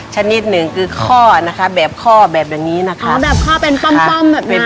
ชนิดหนึ่งคือข้อนะคะแบบข้อแบบอย่างนี้นะคะแบบข้อเป็นป้อมป้อมแบบนี้